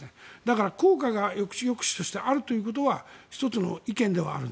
効果が抑止力としてあるということは１つの意見ではある。